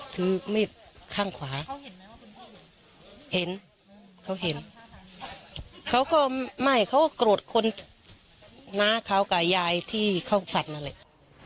ถือมีดข้างขวาเห็นเขาเห็นเขาก็ไม่เขาก็โกรธคนน้าเขากับยายที่เขาฝันนั่นเลย